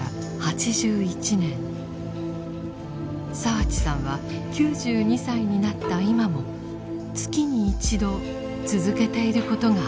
澤地さんは９２歳になった今も月に一度続けていることがあります。